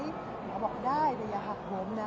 หมอบอกได้แต่อย่าหักผมนะ